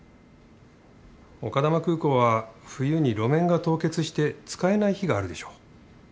丘珠空港は冬に路面が凍結して使えない日があるでしょう。